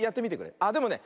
あでもね